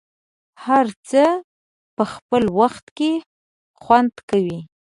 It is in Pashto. هر څه په خپل وخت کې خوند کوي.